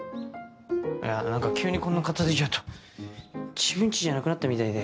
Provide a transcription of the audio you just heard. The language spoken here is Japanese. いや何か急にこんな片付いちゃうと自分家じゃなくなったみたいで。